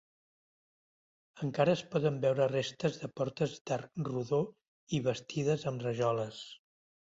Encara es poden veure restes de portes d'arc rodó i bastides amb rajoles.